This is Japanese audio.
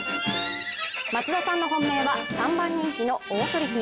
松田さんの本命は３番人気のオーソリティ。